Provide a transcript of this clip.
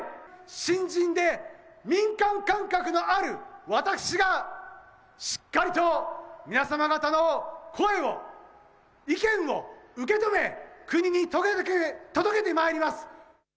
新人で、民間感覚のある私がしっかりと皆様方の声を、意見を受け止め、国に届けてまいります。